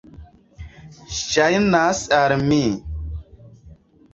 Ŝajnas al mi.